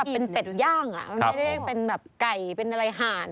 เป็นเป็ดย่างมันไม่ได้เป็นแบบไก่เป็นอะไรห่าน